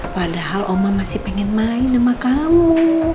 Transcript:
padahal oma masih pengen main sama kamu